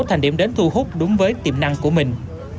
thành điểm đến thu hút đúng với tiềm năng của mình